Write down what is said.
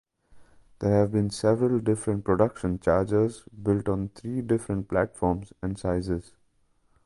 There have been several different production Chargers, built on three different platforms and sizes.